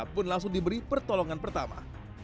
pun langsung diberi pertolongan pertama